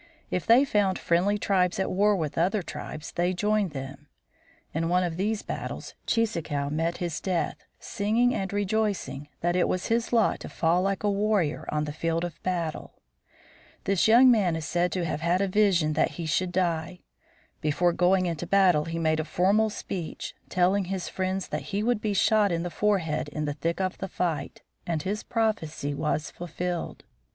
If they found friendly tribes at war with other tribes they joined them. In one of these battles Cheeseekau met his death, singing and rejoicing that it was his lot to fall like a warrior on the field of battle. This young man is said to have had a vision that he should die. Before going into battle he made a formal speech, telling his friends that he would be shot in the forehead in the thick of the fight, and his prophecy was fulfilled.